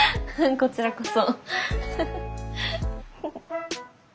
こちらこそ。